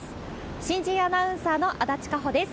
新人アナウンサーの足立夏保です。